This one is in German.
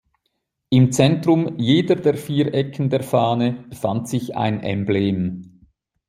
Im Zentrum jeder der vier Ecken der Fahne befand sich ein Emblem.